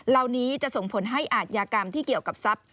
เหล่านี้จะส่งผลให้อาทยากรรมที่เกี่ยวกับทรัพย